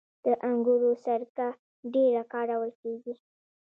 د انګورو سرکه ډیره کارول کیږي.